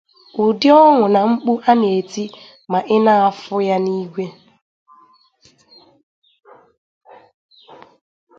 ụdị ọṅụ na mkpu a na-eti ma ị na-afụ ya n’igwe.